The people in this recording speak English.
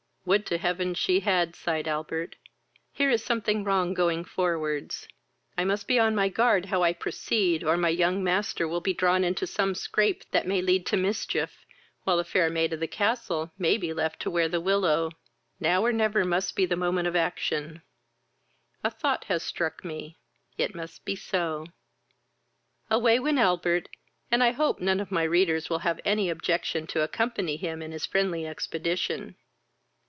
"Would to heaven she had! (sighed Albert:) Here is something wrong going forwards. I must be on my guard how I proceed, or my young master will be drawn into some scrape that may lead to mischief, while the fair maid of the castle may be left to wear the willow. Now, or never, must be the moment of action. A thought has struck me; it must be so." Away went Albert, and I hope none of my readers will have any objection to accompany him in his friendly expedition.